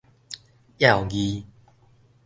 要字